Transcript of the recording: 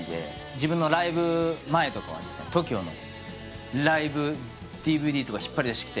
自分のライブ前とかＴＯＫＩＯのライブＤＶＤ引っ張り出してきて。